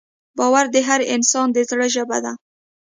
باور د هر انسان د زړه ژبه ده.